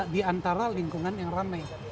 di antara lingkungan yang ramai